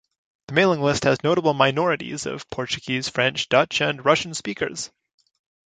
The mailing list has notable minorities of Portuguese, French, Dutch, and Russian speakers.